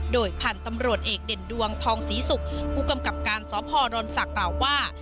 โดยพันธุ์ตำรวจเอกเด่นดวงทองศรีศุกร์ผู้กำกับการสพดนศักดิ์กล่าวว่า